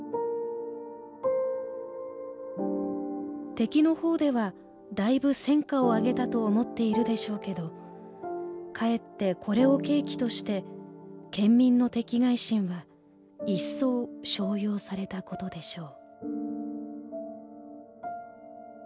「敵の方ではだいぶ戦果をあげたと思っているでしょうけどかえってこれを契機として県民の敵愾心はいっそう昇揚されたことでしょう」。